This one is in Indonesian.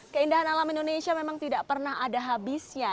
keindahan alam indonesia memang tidak pernah ada habisnya